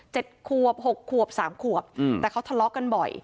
ขวบหกขวบสามขวบอืมแต่เขาทะเลาะกันบ่อย